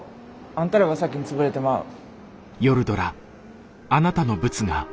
あんたらが先に潰れてまう。